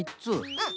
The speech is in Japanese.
うん。